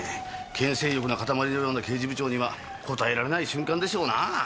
権勢欲のかたまりのような刑事部長にはこたえられない瞬間でしょうなあ。